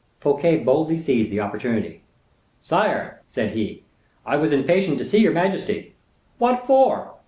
Fouquet boldly seized the opportunity. "Sire," said he, "I was impatient to see your majesty." "What for?"